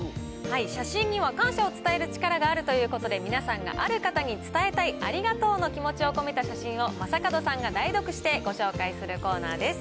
写真には感謝を伝える力があるということで、皆さんが、ある方に伝えたいありがとうの気持ちを込めた写真を、正門さんが代読して、ご紹介するコーナーです。